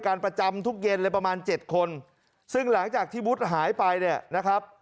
การประจำทุกเย็นประมาณ๗คนซึ่งหลังจากที่วุฒิหายไปนะครับ